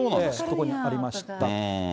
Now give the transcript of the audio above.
ここにありました。